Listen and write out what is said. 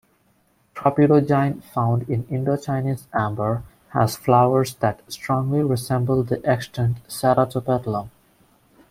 "Tropidogyne", found in Indochinese amber, has flowers that strongly resemble the extant "Ceratopetalum".